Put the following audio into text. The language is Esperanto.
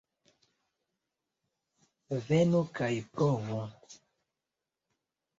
Venu kaj provu!